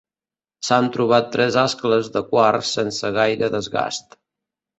S’han trobat tres ascles de quars sense gaire desgast.